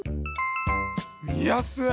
みやすい！